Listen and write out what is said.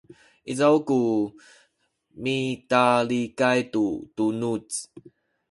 izaw ku mitalikay tu tunuz